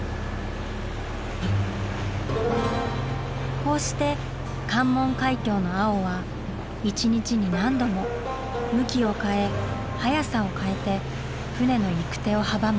こうして関門海峡の青は一日に何度も向きを変え速さを変えて船の行く手を阻む。